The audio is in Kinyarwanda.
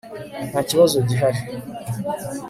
nta kibazo gihari